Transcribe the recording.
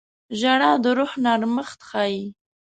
• ژړا د روح نرمښت ښيي.